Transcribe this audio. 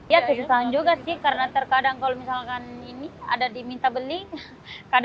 ya kesusahan juga sih karena terkadang kalau misalkan ini ada diminta beli kadang minta tolong sama dia